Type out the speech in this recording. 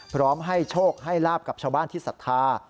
พร้อมให้โชคให้ลาบกับชาวบ้านที่ศรัทธา